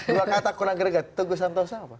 dua kata kurang greget teguh santosa apa